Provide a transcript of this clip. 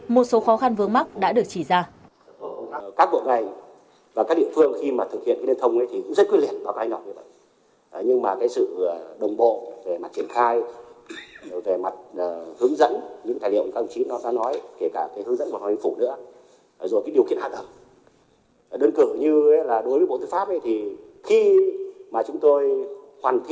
một số khó khăn vướng mắt đã được chỉ ra